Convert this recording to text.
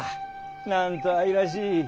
なんと愛らしい。